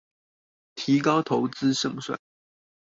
提高投資勝算